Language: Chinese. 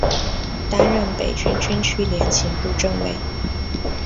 担任北京军区联勤部政委。